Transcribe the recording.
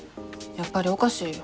やっぱりおかしいよ。